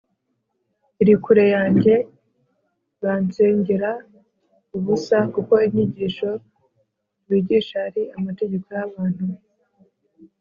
iri kure yanjye Bansengera ubusa kuko inyigisho bigisha ari amategeko y abantu